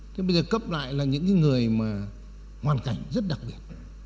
thế bây giờ cấp lại là những cái người mà hoàn cảnh rất đặc biệt